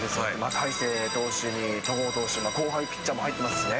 大勢投手に戸郷投手、後輩ピッチャーも入っていますしね。